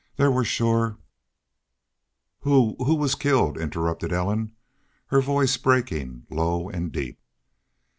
There was shore " "Who who was killed?" interrupted Ellen, her voice breaking low and deep.